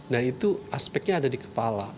nah itu aspeknya ada di kepala